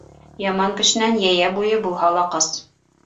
Яман кешенән йәйә буйы булһа ла ҡас.